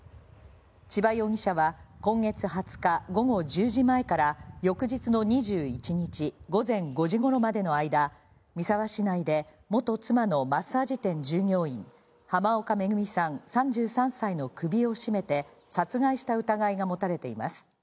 千葉容疑者は今月２０日午後１０時前から翌日の２１日午前５時ごろまでの間、三沢市内で元妻のマッサージ店従業員、濱岡恵さん３３歳の首を絞めて、殺害した疑いが持たれています。